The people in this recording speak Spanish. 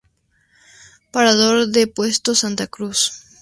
Parador en Puesto Santa Cruz